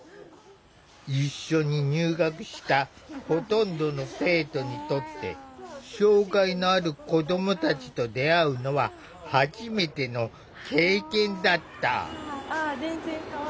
一緒に入学したほとんどの生徒にとって障害のある子どもたちと出会うのは初めての経験だった。